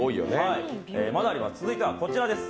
続いてはこちらです。